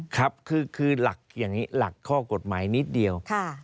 ครับคือหลักข้อกฎหมายนิดเดียว